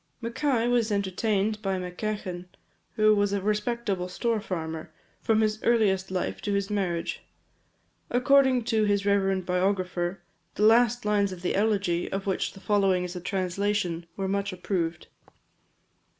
Mackay was entertained by Macechan, who was a respectable store farmer, from his earliest life to his marriage. According to his reverend biographer, the last lines of the elegy, of which the following is a translation, were much approved.